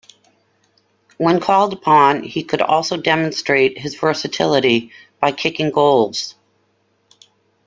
When called upon, he could also demonstrate his versatility by kicking goals.